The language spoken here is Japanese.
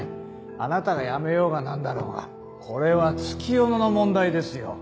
あなたが辞めようが何だろうがこれは月夜野の問題ですよ。